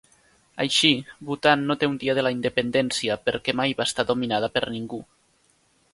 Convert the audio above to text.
Així, Bhutan no té un Dia de la Independència perquè mai va estar dominada per ningú.